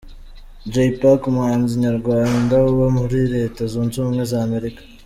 Jay Pac; umuhanzi nyarwanda uba muri Leta Zunze Ubumwe za Amerika.